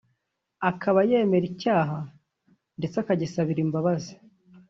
akaba yemera icyaha ndetse akagisabira imbabazi